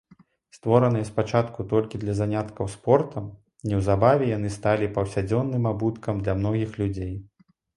Створаныя спачатку толькі для заняткаў спортам, неўзабаве яны сталі паўсядзённым абуткам для многіх людзей.